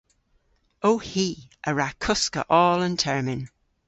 Ow hi a wra koska oll an termyn.